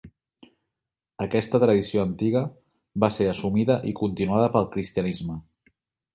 Aquesta tradició antiga va ser assumida i continuada pel cristianisme.